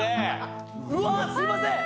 うわっすいません！